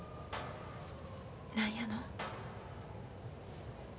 何やの。